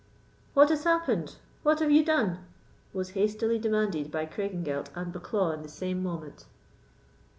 "What has happened? What have you done?" was hastily demanded by Craigengelt and Bucklaw in the same moment.